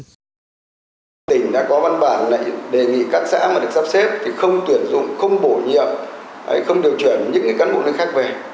trong đợt này toàn tỉnh đã có văn bản đề nghị các xã mà được sắp xếp thì không tuyển dụng không bổ nhiệm không điều chuyển những cán bộ nước khác về